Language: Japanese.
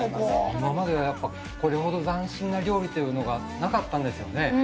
今までは、やっぱこれほど斬新な料理というのがなかったんですよね。